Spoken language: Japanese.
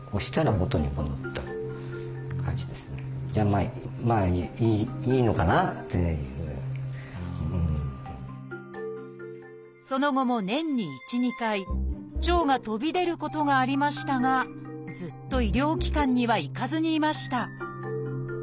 和式のその後も年に１２回腸が飛び出ることがありましたがずっと医療機関には行かずにいました。